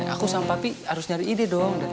aku sama papi harus nyari ide dong